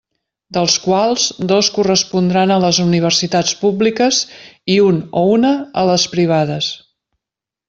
Dels quals, dos correspondran a les universitats públiques i un o una a les privades.